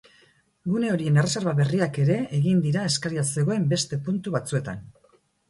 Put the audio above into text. Gune horien erreserba berriak ere egin dira eskaria zegoen beste puntu batzuetan.